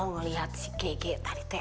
ngelihat si gg tadi teh